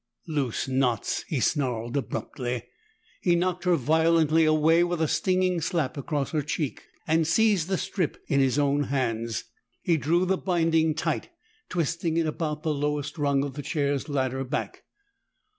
"Loose knots!" he snarled abruptly. He knocked her violently away with a stinging slap across her cheek, and seized the strip in his own hands. He drew the binding tight, twisting it about the lowest rung of the chair's ladder back.